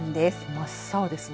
真っ青ですね。